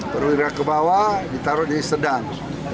perwira ke bawah ditaruh di sedang